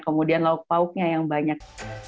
kemudian lauk pauknya yang banyak